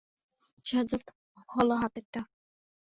সাজ্জাদ হলো হাতেরটা।